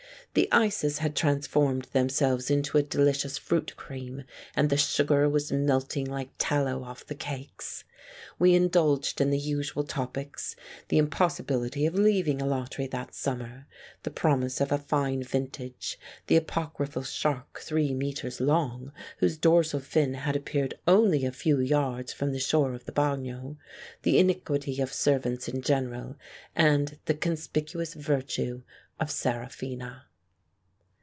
The ices had transformed themselves into a delicious fruit cream, and the sugar was melting like tallow off the cakes. We indulged in the usual topics, the impossibility of leaving Alatri that summer, the promise of a fine vintage, the apocryphal shark three metres long, whose dorsal fin had appeared only a few yards from the shore of the Bagno, the iniquity of servants in general, and the conspicuous virtue of Seraphina.